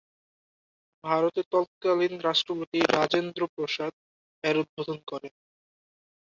ভারতের তৎকালীন রাষ্ট্রপতি রাজেন্দ্র প্রসাদ এর উদ্বোধন করেন।